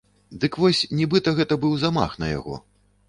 Дык вось, нібыта гэта быў замах на яго.